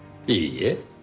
いいえ。